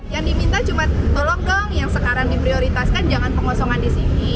yang diminta cuma tolong dong yang sekarang diprioritaskan jangan pengosongan di sini